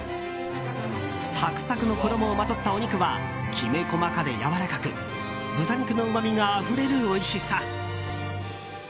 サクサクの衣をまとったお肉はきめ細かでやわらかく豚肉のうまみがあふれるおいしさ。